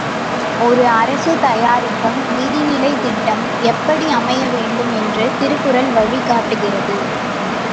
ஒரு அரசு தயாரிக்கும் நிதிநிலைத் திட்டம் எப்படி அமையவேண்டும் என்று திருக்குறள் வழிகாட்டுகிறது?